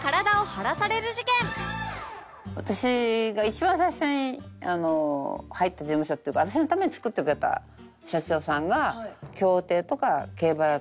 私が一番最初に入った事務所っていうか私のために作ってくれた社長さんが。